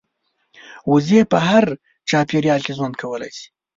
وزې په هر چاپېریال کې ژوند کولی شي